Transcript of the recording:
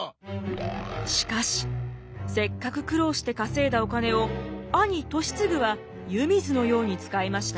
しかしせっかく苦労して稼いだお金を兄俊次は湯水のように使いました。